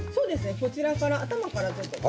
こちらから頭からずっと。